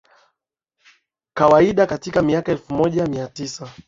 Kawaida katika miaka ya Elfu moja na mia tisa